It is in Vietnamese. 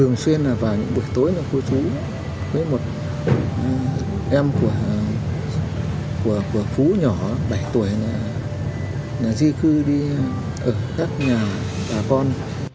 em của phú nhỏ bảy tuổi là di khư đi ở khắp nhà bà con